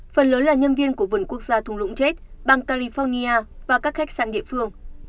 phần lớn là nhân viên của vườn quốc gia thùng lũng chết bang california và các khách sạn địa phương